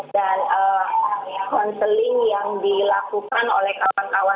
dan konseling yang dilakukan oleh kawan kawan